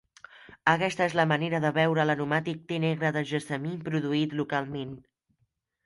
Aquesta és la manera de beure l'aromàtic te negre de gessamí produït localment.